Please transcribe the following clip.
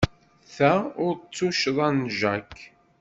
Ta ur d tuccḍa n Jack.